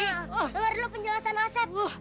sakit ma dengar dulu penjelasan asep